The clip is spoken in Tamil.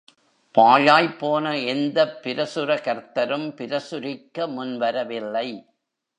பாழாய்ப் போன எந்தப் பிரசுரகர்த்தரும் பிரசுரிக்க முன்வரவில்லை.